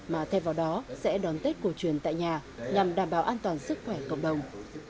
mà thay vào đó sẽ đón tết cổ truyền tại nhà nhằm đảm bảo an toàn sức khỏe cộng đồng